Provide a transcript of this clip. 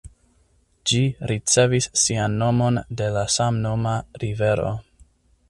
Ĝi ricevis sian nomon de la samnoma rivero.